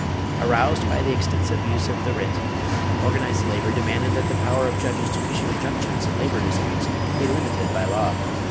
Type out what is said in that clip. Aroused by the extensive use of the writ, organized labor demanded that the power of judges to issue injunctions in labor disputes be limited by law.